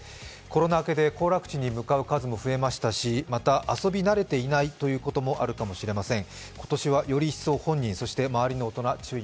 コロナ明けで行楽地に向かう数も増えましたし、遊び慣れていないということもあるかもしれません。